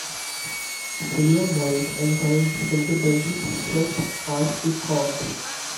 William Morris encouraged him to build his first harpsichord.